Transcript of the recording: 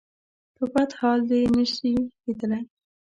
په بد حال دې نه شي ليدلی.